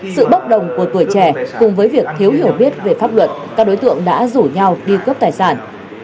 sự bốc đồng của tuổi trẻ cùng với việc thiếu hiểu biết về pháp luật các đối tượng đã rủ nhau đi cướp tài sản